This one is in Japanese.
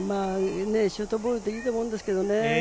シュートボールでいいと思うんですけどね。